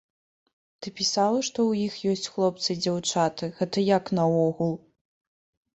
Ты пісала, што ў іх ёсць хлопцы і дзяўчаты, гэта як наогул?